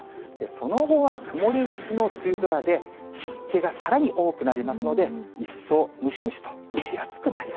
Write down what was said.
その後は曇りがちの梅雨空で、湿気がさらに多くなりますので、一層ムシムシと、蒸し暑くなり